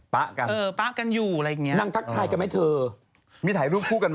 ป๊ากันอะไรอย่างนี้